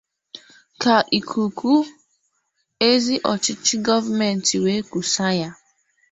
ka ikuke ezi ọchịchị gọọmenti wee kùsa ha.